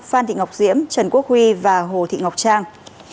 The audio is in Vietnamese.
phan thị ngọc diễm trần quốc huy và hồ thị ngọc trang